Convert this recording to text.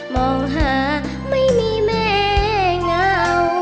มองหาไม่มีแม่เหงา